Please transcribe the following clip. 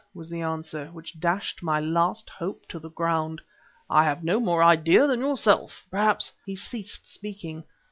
was the answer, which dashed my last hope to the ground. "I have no more idea than yourself. Perhaps ..." He ceased speaking.